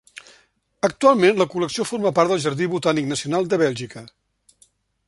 Actualment la col·lecció forma part del Jardí Botànic Nacional de Bèlgica.